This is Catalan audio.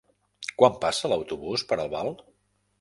Quan passa l'autobús per Albal?